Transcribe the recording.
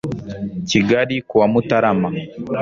kigali ku wa mutarama